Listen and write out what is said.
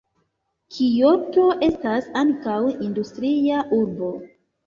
Kioto estas ankaŭ industria urbo.